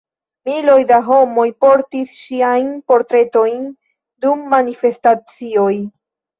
Miloj da homoj portis ŝiajn portretojn dum manifestacioj.